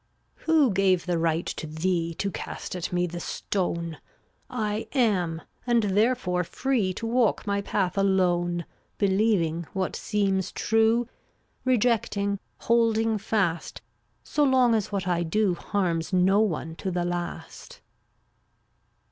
3 84 Who gave the right to thee To cast at me the stone? I am, and therefore free To walk my path alone, Believing what seems true, Rejecting, holding fast, So long as what I do Harms no one to the last.